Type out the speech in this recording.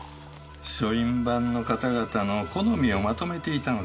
書院番の方々の好みをまとめていたのです。